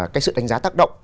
cái sự đánh giá tác động